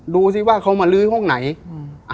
ดูสิว่าเขามาลื้อห้องไหนอืม